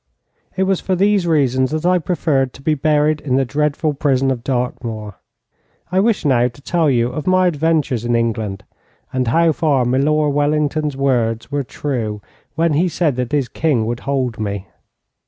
It was for these reasons that I preferred to be buried in the dreadful prison of Dartmoor. I wish now to tell you of my adventures in England, and how far Milor Wellington's words were true when he said that his King would hold me.